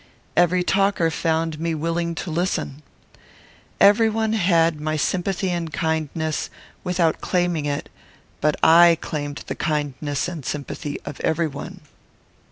Every talker found me willing to listen. Every one had my sympathy and kindness, without claiming it; but I claimed the kindness and sympathy of every one.